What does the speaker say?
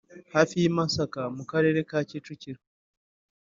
hafi y'i Masaka mu Karere ka Kicukiro